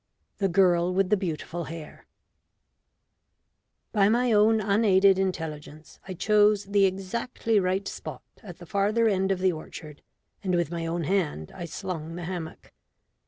THE GIRL WITH THE BEAUTIFUL HAIR [By my own unaided intelligence I chose the exactly right spot at the farther end of the orchard, and with my own hand I slung the hammock.